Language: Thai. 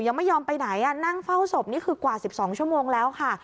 ยังไม่ยอมไปไหนนั่งเฝ้าศพนี่คือกว่า๑๒ชั่วโมงแล้วค่ะ